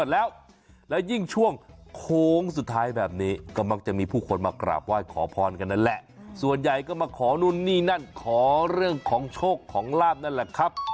ส่วนใหญ่ก็มาขอนู่นนี่นั่นขอเรื่องของโชคของลาบนั่นแหละครับ